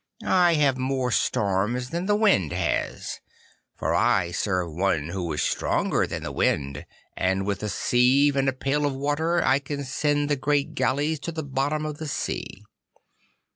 I have more storms than the wind has, for I serve one who is stronger than the wind, and with a sieve and a pail of water I can send the great galleys to the bottom of the sea.